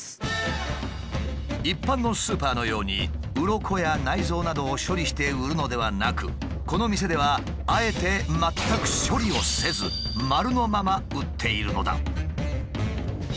一般のスーパーのようにうろこや内臓などを処理して売るのではなくこの店ではあえて全く処理をせず丸のまま売っているのだ。